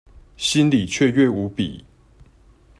心裡雀躍無比